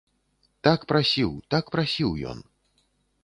Так прасіў, так прасіў ён.